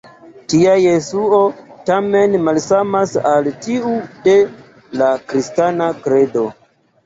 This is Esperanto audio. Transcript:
Tia Jesuo, tamen, malsamas ol tiu de la kristana kredo.